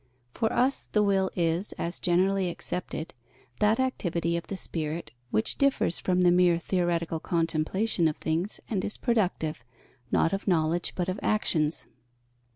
For us, the will is, as generally accepted, that activity of the spirit, which differs from the mere theoretical contemplation of things, and is productive, not of knowledge, but of actions.